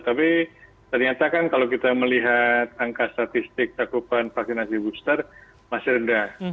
tapi ternyata kan kalau kita melihat angka statistik cakupan vaksinasi booster masih rendah